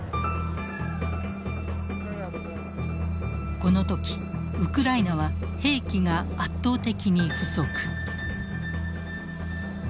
この時ウクライナは兵器が圧倒的に不足。